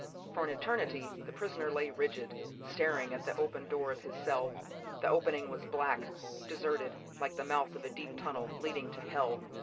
For an eternity, the prisoner lay rigid, staring at the open door of his cell. The opening was black, deserted, like the mouth of a deep tunnel, leading to hell.